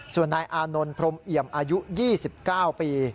ส่วนนายอานนท์พรมเอี่ยมอายุ๒๙ปี